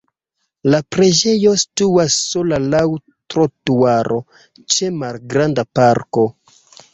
La preĝejo situas sola laŭ trotuaro ĉe malgranda parko.